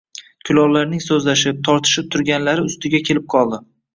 Kulollarning so‘zlashib, tortishib turganlari ustiga kelib qolibdi